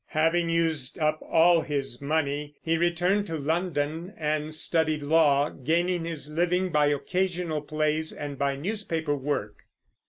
Having used up all his money, he returned to London and studied law, gaining his living by occasional plays and by newspaper work.